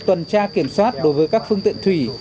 tuần tra kiểm soát đối với các phương tiện thủy